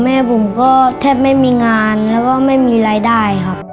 แม่ผมก็แทบไม่มีงานแล้วก็ไม่มีรายได้ครับ